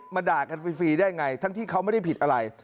ด่ากันฟรีได้ไงทั้งที่เขาไม่ได้ผิดอะไร